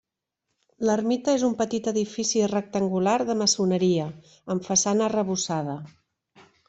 L'ermita és un petit edifici rectangular de maçoneria, amb façana arrebossada.